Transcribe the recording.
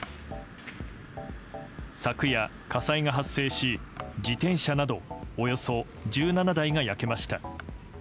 昨夜、火災が発生し自転車などおよそ１７台が焼けました。